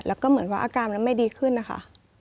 แล้วก็เหมือนว่าอาการมันไม่ดีขึ้นนะคะ